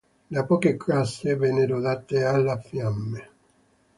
Le poche case vennero date alle fiamme.